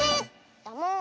だもん。